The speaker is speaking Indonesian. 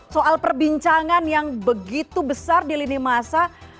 soal perbincangan yang begitu besar di lini masa